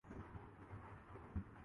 علما اسی حیثیت سے فتویٰ دیتے ہیں